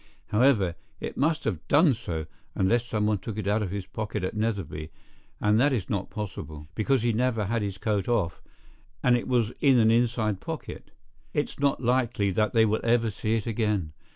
However, it must have done so—unless someone took it out of his pocket at Netherby, and that is not possible, because he never had his coat off, and it was in an inside pocket. It's not likely that they will ever see it again.